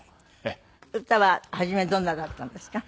歌は初めどんなだったんですか？